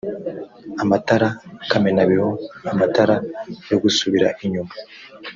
amatara kamenabihu amatara yo gusubira inyuma